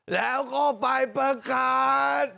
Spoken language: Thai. แล้วก็ไปประกาศ